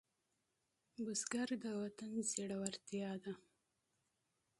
بزګر د وطن زړورتیا ده